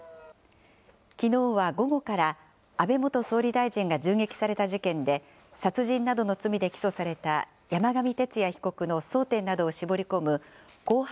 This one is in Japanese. きのうは午後から、安倍元総理大臣が銃撃された事件で殺人などの罪で起訴された山上徹也被告の争点などを絞り込む公判